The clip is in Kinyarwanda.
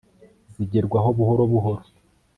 zigerwaho buhoro buhoro